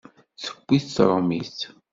Tewwi-t tṛumit.